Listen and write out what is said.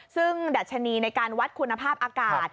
ซึ่งดัชนีในการวัดคุณภาพอากาศ